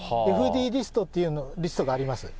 ＦＤリストっていうリストがあります。